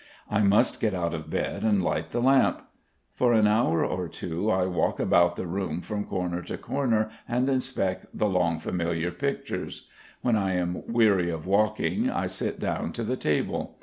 I must get out of bed and light the lamp. For an hour or two I walk about the room from corner to corner and inspect the long familiar pictures. When I am weary of walking I sit down to the table.